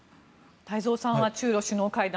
太蔵さんは中ロ首脳会談